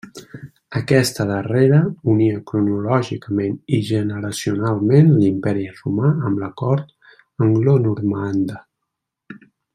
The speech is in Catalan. Aquesta darrera unia cronològicament i generacionalment l'Imperi romà amb la cort anglonormanda.